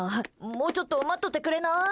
もうちょっと待っとってくれな。